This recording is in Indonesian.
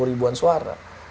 sembilan puluh ribuan suara